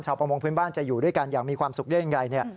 ชาวประมงพื้นบ้านจะอยู่ด้วยกันอยากมีความสุขได้ยังไง